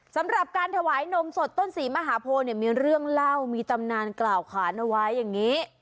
สำหรับการถวายนมสดต้นศรีมหาโพเนี่ยมีเรื่องเล่ามีตำนานกล่าวขานเอาไว้อย่างนี้